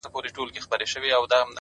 نو زه له تاسره،